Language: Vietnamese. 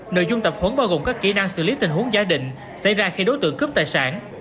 nội dung tập huấn bao gồm các kỹ năng xử lý tình huống gia đình xảy ra khi đối tượng cướp tài sản